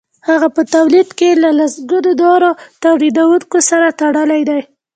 هغه په تولید کې له سلګونو نورو تولیدونکو سره تړلی دی